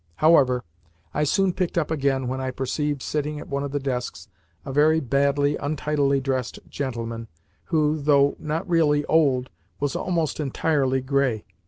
However, I soon picked up again when I perceived sitting at one of the desks a very badly, untidily dressed gentleman who, though not really old, was almost entirely grey.